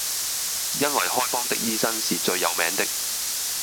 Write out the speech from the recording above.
因爲開方的醫生是最有名的，